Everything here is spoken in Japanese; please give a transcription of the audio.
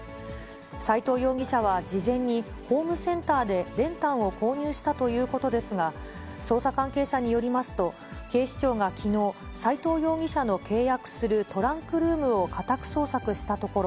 斎藤容疑者は事前に、ホームセンターで練炭を購入したということですが、捜査関係者によりますと、警視庁がきのう、斎藤容疑者の契約するトランクルームを家宅捜索したところ、